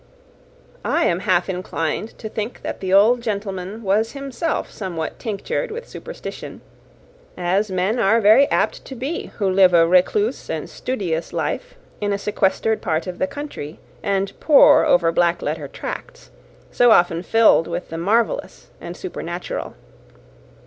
I am half inclined to think that the old gentleman was himself somewhat tinctured with superstition, as men are very apt to be who live a recluse and studious life in a sequestered part of the country, and pore over black letter tracts, so often filled with the marvellous and supernatural.